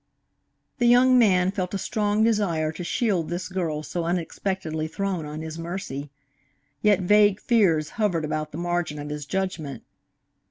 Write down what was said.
The young man felt a strong desire to shield this girl so unexpectedly thrown on his mercy. Yet vague fears hovered about the margin of his judgment.